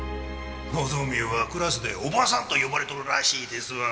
望はクラスでおばさんと呼ばれとるらしいですわ。